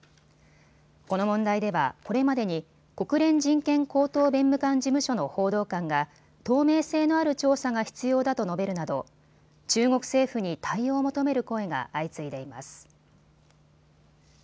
この問題ではこれまでに国連人権高等弁務官事務所の報道官が透明性のある調査が必要だと述べるなど中国政府に対応を求める声が相次いでいます。